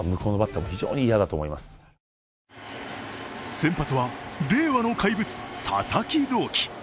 先発は令和の怪物・佐々木朗希。